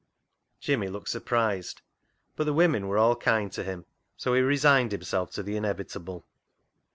Jimmy looked surprised, but the women were all kind to him, so he resigned himself to the inevitable.